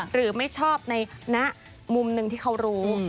หรือไม่ชอบในมุมหนึ่งที่เขารู้